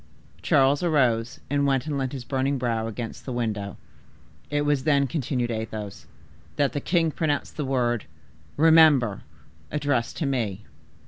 Charles arose, and went and leant his burning brow against the window. "It was then," continued Athos, "that the king pronounced the word 'REMEMBER!' addressed to me.